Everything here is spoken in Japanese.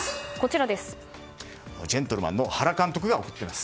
ジェントルマンの原監督が怒っています。